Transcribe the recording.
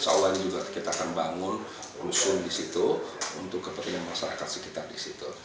soalnya juga kita akan bangun lusun di situ untuk kepentingan masyarakat sekitar di situ